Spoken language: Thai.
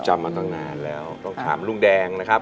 จำมาตั้งนานแล้วต้องถามลุงแดงนะครับ